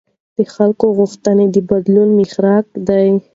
د خلکو غوښتنې د بدلون محرک دي